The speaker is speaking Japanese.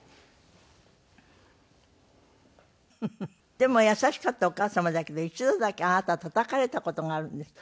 フフ！でも優しかったお母様だけど一度だけあなたたたかれた事があるんですって？